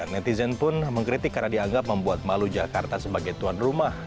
netizen pun mengkritik karena dianggap membuat malu jakarta sebagai tuan rumah